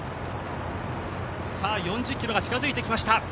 ４０ｋｍが近づいてきました